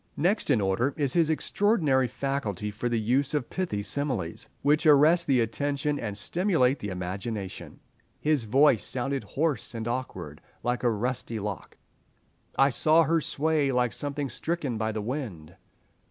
Next in order is his extraordinary faculty for the use of pithy similes, which arrest the attention and stimulate the imagination. "His voice sounded hoarse and awkward, like a rusty lock." "I saw her sway, like something stricken by the wind."